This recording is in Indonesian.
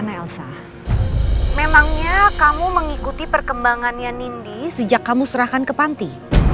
hanya kamu mengikuti perkembangannya nindi sejak kamu serahkan ke panti